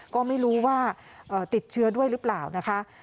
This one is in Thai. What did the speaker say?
ก็ไม่รู้ว่าติดเชื้อด้วยหรือเปล่านะคะ